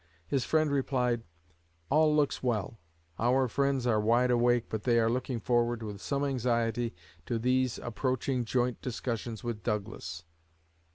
His friend replied, "All looks well; our friends are wide awake, but they are looking forward with some anxiety to these approaching joint discussions with Douglas."